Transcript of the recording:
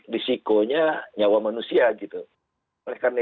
risikonya nyawa manusia gitu oleh karena